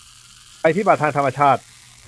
ภัยพิบัติทางธรรมชาติ